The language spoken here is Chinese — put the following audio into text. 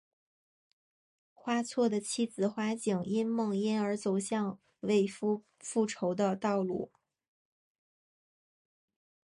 花错的妻子花景因梦因而走向为夫复仇的道路。